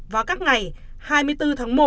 vào các ngày hai mươi bốn tháng một